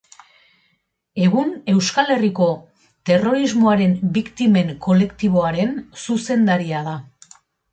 Egun Euskal Herriko Terrorismoaren Biktimen Kolektiboaren zuzendaria da.